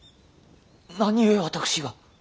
何故私が。